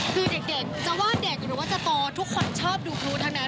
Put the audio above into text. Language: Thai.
คือเด็กจะว่าเด็กหรือว่าจะโตทุกคนชอบดูพลุทั้งนั้น